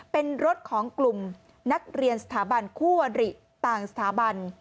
เป็นรถของกลุ่มนักเรียนสถาบันคู่อริต่างสถาบัน